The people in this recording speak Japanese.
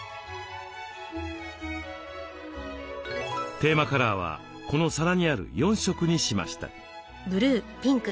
テーマカラーはこの皿にある４色にしました。